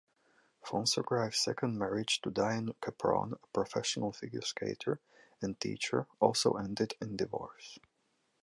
Fonssagrives's second marriage-to Diane Capron, a professional figure skater and teacher-also ended in divorce.